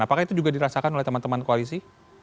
apakah itu juga dirasakan oleh teman teman koalisi